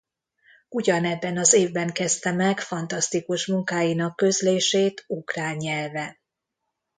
Ugyanebben az évben kezdte meg fantasztikus munkáinak közlését ukrán nyelven.